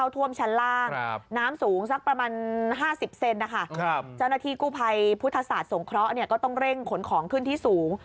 ถ้าสาดสงเคราะห์เนี่ยก็ต้องเร่งขนของขึ้นที่สูง